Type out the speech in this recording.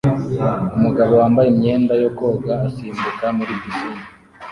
Umugabo wambaye imyenda yo koga asimbuka muri pisine